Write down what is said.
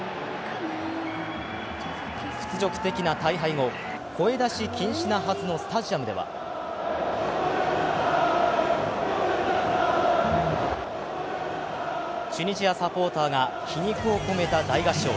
屈辱的な大敗後、声出し禁止なはずのスタジアムではチュニジアサポーターが皮肉を込めた大合唱。